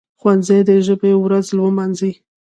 ښوونځي دي د ژبي ورځ ولمانځي.